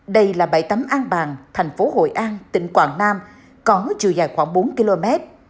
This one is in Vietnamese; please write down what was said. đây là bãi tắm an bàng thành phố hội an tỉnh quảng nam có chiều dài khoảng bốn km